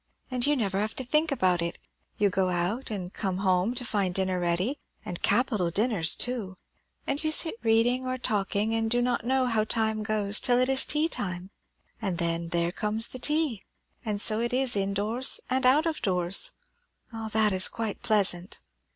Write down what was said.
And you never have to think about it; you go out, and come home to find dinner ready, and capital dinners too; and you sit reading or talking, and do not know how time goes till it is tea time, and then there comes the tea; and so it is in doors and out of doors. All that is quite pleasant."